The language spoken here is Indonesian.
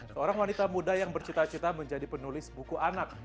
seorang wanita muda yang bercita cita menjadi penulis buku anak